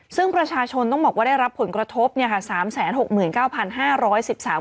สิ่งประชาชนต้องบอกว่าได้รับผลกระทบเนี่ยค่ะสามแสนหกเหมือนเก้าพันห้าร้อยสิบสาม